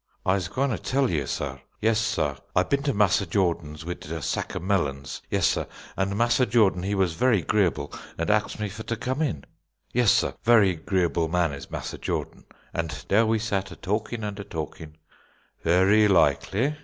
"I'se gwine ter tell yer, sar; yes, sar. I'd been to Massa Jordan's wid a sack of melons. Yes, sar; an' Massa Jordan he wuz very 'greeable, an' axed me for ter come in." "Yes, sar, very 'greeable man is Massa Jordan. An' dar we sat a talking an' a talking " "Very likely.